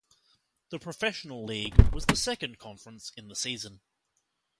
The Professional League was the second conference in the season.